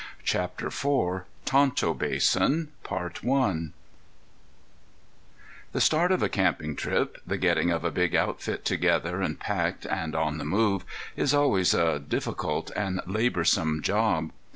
CHAPTER IV TONTO BASIN The start of a camping trip, the getting a big outfit together and packed, and on the move, is always a difficult and laborsome job.